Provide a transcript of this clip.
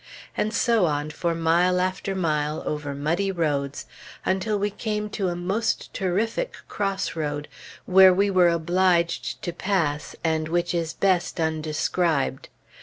And so on, for mile after mile, over muddy roads, until we came to a most terrific cross road, where we were obliged to pass, and which is best undescribed.